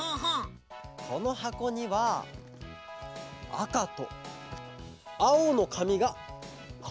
このはこにはあかとあおのかみがはってあります。